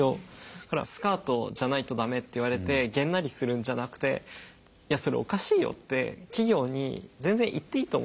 だから「スカートじゃないと駄目」って言われてげんなりするんじゃなくて「いやそれおかしいよ」って企業に全然言っていいと思うんですよ。